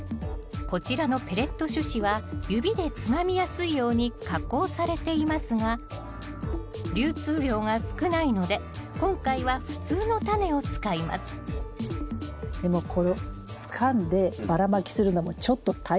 こちらのペレット種子は指でつまみやすいように加工されていますが流通量が少ないので今回は普通のタネを使いますでもこれをつかんでばらまきするのもちょっと大変そう。